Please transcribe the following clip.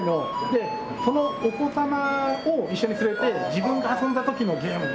でそのお子様を一緒に連れて自分が遊んだ時のゲーム。